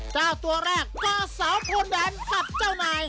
เจ้าตัวแรกก็สาวโผนดานกับเจ้าหน่าย